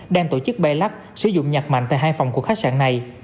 đang tổ chức bay lắc sử dụng nhặt mạnh tại hai phòng của khách sạn này